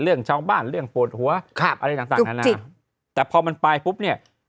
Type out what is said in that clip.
เรื่องเช้าบ้านเรื่องโปรดหัวอะไรต่างนานาแต่พอมันปลายปุ๊บเนี่ย